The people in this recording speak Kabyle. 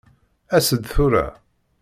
As-d tura.